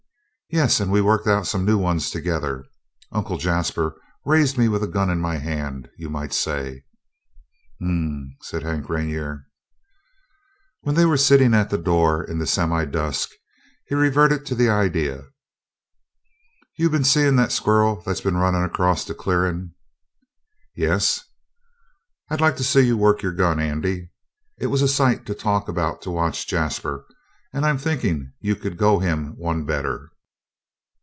"Yes, and we worked out some new ones together. Uncle Jasper raised me with a gun in my hand, you might say." "H'm!" said Hank Rainer. When they were sitting at the door in the semidusk, he reverted to the idea. "You been seein' that squirrel that's been runnin' across the clearin'?" "Yes." "I'd like to see you work your gun, Andy. It was a sight to talk about to watch Jasper, and I'm thinkin' you could go him one better.